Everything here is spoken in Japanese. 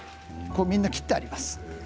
みんな切ってあります。